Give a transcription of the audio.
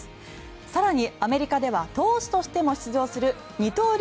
更に、アメリカでは投手としても出場する二刀流